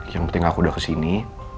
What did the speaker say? yang penting aku udah kesini